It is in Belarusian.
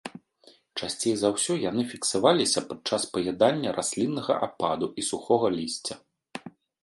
Часцей за ўсё яны фіксаваліся падчас паядання расліннага ападу і сухога лісця.